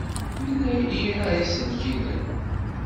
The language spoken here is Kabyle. Yella ira iselkimen.